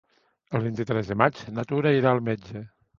El vint-i-tres de maig na Tura irà al metge.